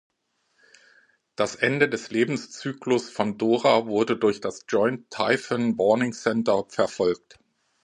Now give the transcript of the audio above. Das Ende des Lebenszyklus von Dora wurde durch das Joint Typhoon Warning Center verfolgt.